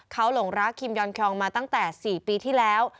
เขาหลงรักคิมยอนครองมาตั้งแต่๔ปีที่แล้ว